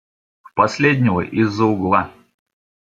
В последнего из-за угла!